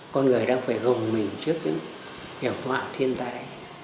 con người đang phải gồng mình trước những hiệu quả thiên tài